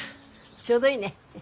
ちょうどいいね。